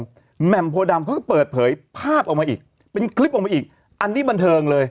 เพราะว่าเพลิดแมมโพดัมเขาก็เปิดเผยภาพออกมาอีกเป็นคลิปออกมาอีกอันนี้บันเทิงเลย